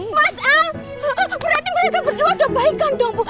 mas al berarti mereka berdua udah baik kan dong bu